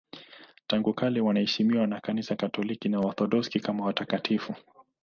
Tangu kale wanaheshimiwa na Kanisa Katoliki na Waorthodoksi kama watakatifu.